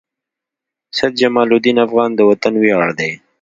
سيد جمال الدین افغان د وطن وياړ دي.